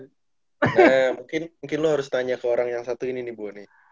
nah mungkin lo harus tanya ke orang yang satu ini nih bu ani